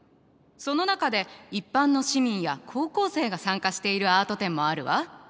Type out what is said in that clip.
その中で一般の市民や高校生が参加しているアート展もあるわ。